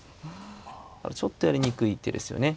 ちょっとやりにくい手ですよね。